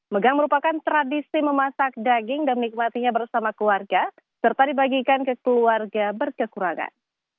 megang merupakan tradisi memasak daging dan menikmatinya bersama keluarga serta dibagikan ke keluarga berkekurangan